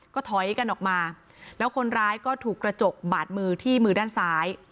ก็ถอยกันออกมาแล้วคนร้ายก็ถูกกระจกบาดมือที่มือด้านซ้าย